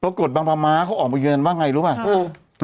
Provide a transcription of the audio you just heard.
ปรากฏบางประมาะเขาออกมาเยินว่าไงรู้ไหม